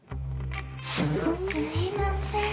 すいません。